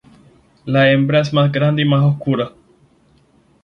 La hembra es más grande y más oscura.